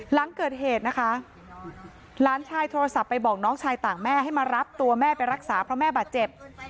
หลังเกิดเหตุนะคะหลานชายโทรศัพท์ไปบอกน้องชายต่างแม่ให้มารับตัวแม่ไปรักษาเพราะแม่บาดเจ็บ